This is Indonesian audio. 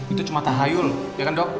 itu cuma tahayul ya kan dok